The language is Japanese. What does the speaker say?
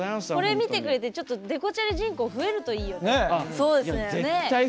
これ見てくれて、ちょっとデコチャリ人口増えるといいよね。